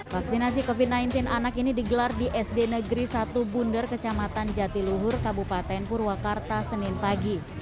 vaksinasi covid sembilan belas anak ini digelar di sd negeri satu bundar kecamatan jatiluhur kabupaten purwakarta senin pagi